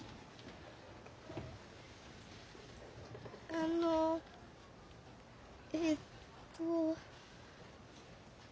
あのえっと。